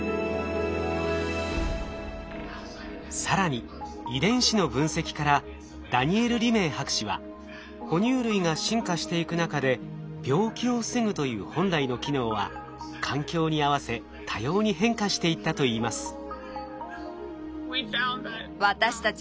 更に遺伝子の分析からダニエル・リメイ博士は哺乳類が進化していく中で病気を防ぐという本来の機能は環境に合わせ多様に変化していったといいます。